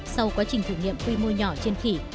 sau quá trình thử nghiệm quy mô nhỏ trên khỉ